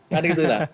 kan gitu lah